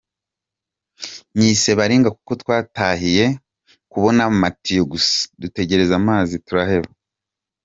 Nyise baringa kuko twatahiye kubona amatiyo gusa dutegereza amazi turaheba.